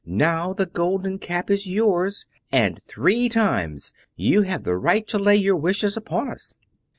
Now the Golden Cap is yours, and three times you have the right to lay your wishes upon us."